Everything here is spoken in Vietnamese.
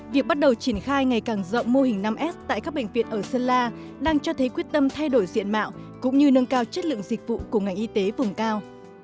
việc bắt đầu triển khai ngày càng rộng mô hình năm s tại các bệnh viện ở sơn la đang cho thấy quyết tâm thay đổi diện mạo cũng như nâng cao chất lượng dịch vụ của ngành y tế vùng cao